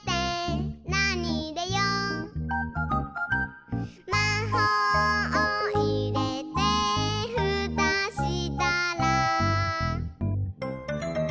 「なにいれよう？」「まほうをいれてふたしたら」